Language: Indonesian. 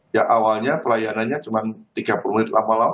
ya awalnya pelayanannya cuma tiga puluh menit lama lama